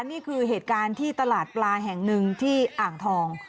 นี่คือเหตุการณ์ที่ตลาดปลาแห่งหนึ่งที่อ่างทอง